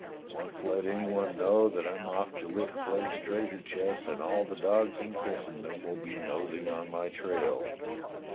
Once let any one know that I am off to lift Clegg's treasure chests, and all the dogs in Christen dom will be nosing on my trail.